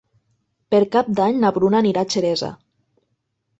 Per Cap d'Any na Bruna anirà a Xeresa.